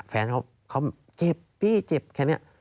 แฟนเขาเจ็บพี่เจ็บแค่นี้